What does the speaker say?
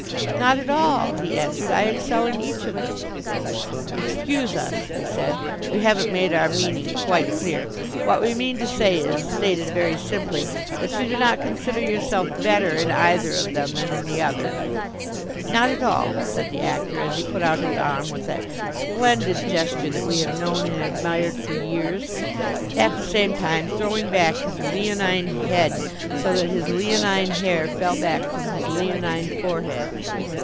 "Not at all," he answered, "I excel in each of them." "Excuse us," we said, "we haven't made our meaning quite clear. What we meant to say is, stated very simply, that you do not consider yourself better in either of them than in the other?" "Not at all," said the Actor, as he put out his arm with that splendid gesture that we have known and admired for years, at the same time throwing back his leonine head so that his leonine hair fell back from his leonine forehead.